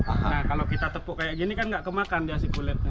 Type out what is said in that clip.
nah kalau kita tepuk kayak gini kan gak kemakan kulitnya